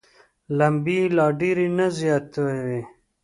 لمبې یې لا ډېرې نه وزياتوي.